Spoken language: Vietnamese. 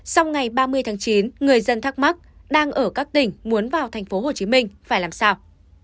sau ngày ba mươi tháng chín người dân thắc mắc đang ở các tỉnh muốn vào tp hcm phải làm sao